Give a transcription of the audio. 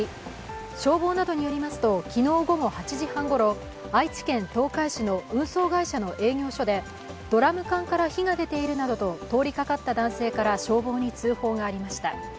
消防などによりますと昨日午後８時半ごろ愛知県東海市の運送会社の営業所でドラム缶から火が出ているなどと、通りかかった男性から消防に通報がありました。